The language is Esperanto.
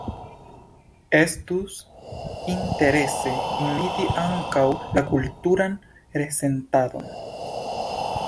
Estus interese inviti ankaŭ la kulturan resentadon.